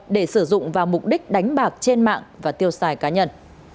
để sử dụng vào mục đích đánh bạc trên mạng và tiêu xài cá nhân